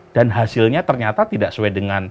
dan hasilnya ternyata tidak sesuai dengan